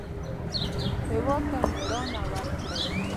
هېواد ته مېړانه ورکړئ